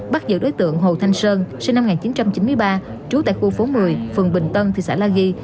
bắt giữ đối tượng hồ thanh sơn sinh năm một nghìn chín trăm chín mươi ba trú tại khu phố một mươi phường bình tân thị xã la ghi